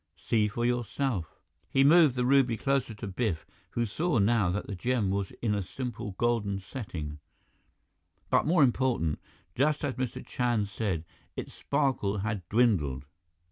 See for yourself!" He moved the ruby closer to Biff, who saw now that the gem was in a simple golden setting; but more important, just as Mr. Chand said, its sparkle had dwindled.